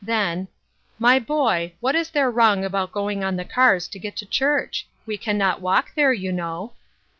Then :" My boy, what is there wrong about going on the cars to get to church ? We can not walk there, you know."